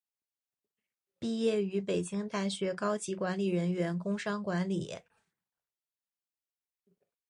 毕业于北京大学高级管理人员工商管理。